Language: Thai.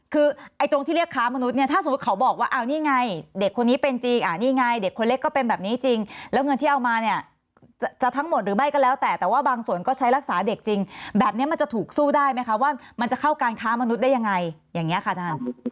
คือไอ้ตรงที่เรียกค้ามนุษย์เนี่ยถ้าสมมุติเขาบอกว่าเอานี่ไงเด็กคนนี้เป็นจริงนี่ไงเด็กคนเล็กก็เป็นแบบนี้จริงแล้วเงินที่เอามาเนี่ยจะทั้งหมดหรือไม่ก็แล้วแต่แต่ว่าบางส่วนก็ใช้รักษาเด็กจริงแบบนี้มันจะถูกสู้ได้ไหมคะว่ามันจะเข้าการค้ามนุษย์ได้ยังไงอย่างนี้ค่ะท่าน